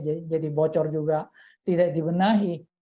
jadi bocor juga tidak dibenahi